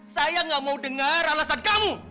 saya gak mau dengar alasan kamu